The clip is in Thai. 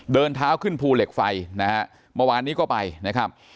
เดินเท้าขึ้นภูเหล็กไฟนะฮะเมื่อวานนี้ก็ไปนะครับ